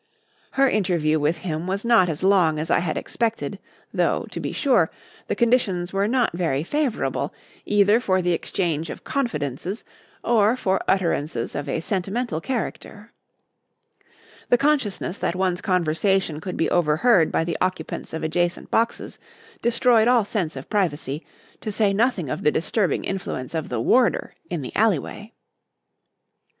Her interview with him was not as long as I had expected, though, to be sure, the conditions were not very favourable either for the exchange of confidences or for utterances of a sentimental character. The consciousness that one's conversation could be overheard by the occupants of adjacent boxes destroyed all sense of privacy, to say nothing of the disturbing influence of the warder in the alley way.